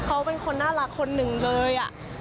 เขาเป็นคนน่ารักคนหนึ่งเลย